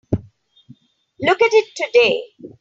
Look at it today.